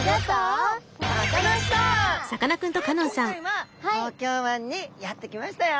さあ今回は東京湾にやって来ましたよ。